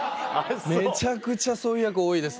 めちゃくちゃそういう役多いですね。